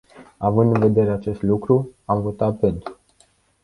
Având în vedere acest lucru, am votat pentru.